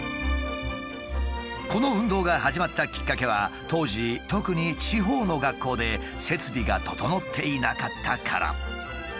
この運動が始まったきっかけは当時特に地方の学校で設備が整っていなかったから。